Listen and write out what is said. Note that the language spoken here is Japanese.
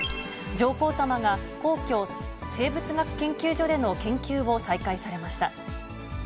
上皇さまが皇居・生物学研究所での研究を再開されました。